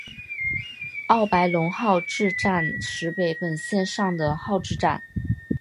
奥白泷号志站石北本线上的号志站。